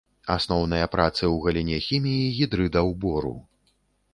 Асноўныя працы ў галіне хіміі гідрыдаў бору.